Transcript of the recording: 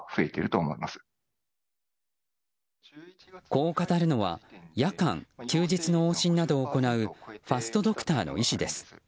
こう語るのは夜間・休日の往診などを行うファストドクターの医師です。